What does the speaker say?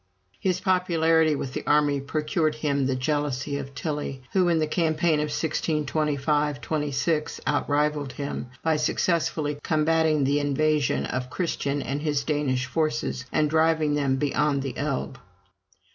His popularity with the army procured him the jealousy of Tilly, who, in the campaign of 1625 26, outrivalled him, by successfully combating the invasion of Christian and his Danish forces, and driving them beyond the Elbe.